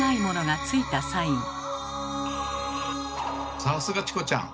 さすがチコちゃん！